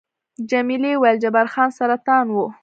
جميلې وويل:، جبار خان سرطان وو؟